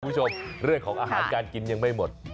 คุณผู้ชมเรื่องของอาหารการกินยังไม่หมด